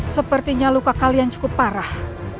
sepertinya luka kalian cukup parah